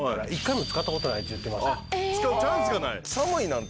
使うチャンスがない。